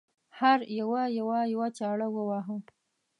هر یوه یوه یوه چاړه وواهه.